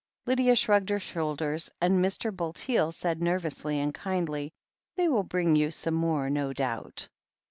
Lydia shrugged her shoulders, and Mr. Bulteel said nervously and kindly : "They will bring you some more, no doubt."